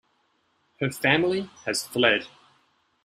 Her family has fled.